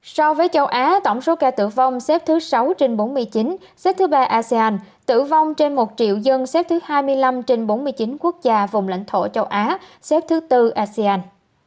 so với châu á tổng số ca tử vong xếp thứ sáu trên bốn mươi chín xếp thứ ba asean tử vong trên một triệu dân xếp thứ hai mươi năm trên bốn mươi chín quốc gia vùng lãnh thổ châu á xếp thứ tư asean